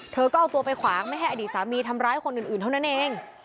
เธอก็เอาตัวไปขวางไม่ให้อดีตสามีทำร้ายคนอื่นเท่านั้นเอง